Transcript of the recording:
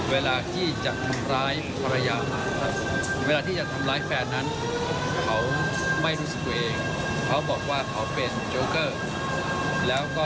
เหมือนโจ๊กเกอร์ที่ก็ทำกับแฟนหรือก็ทำกับคนอื่น